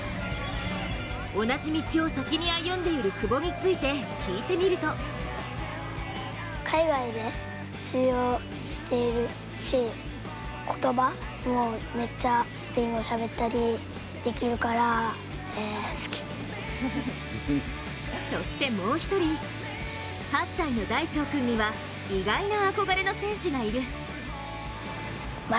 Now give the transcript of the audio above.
同じ道を先に歩んでいる久保について聞いてみるとそしてもう１人、８歳の大鐘君には意外な憧れの選手がいる。